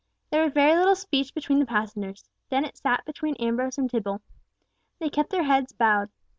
There was very little speech between the passengers; Dennet sat between Ambrose and Tibble. They kept their heads bowed.